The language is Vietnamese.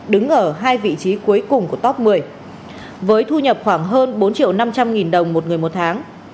đứng ở hai vị trí cuối cùng của top một mươi với thu nhập khoảng hơn bốn triệu năm trăm linh nghìn đồng một người một tháng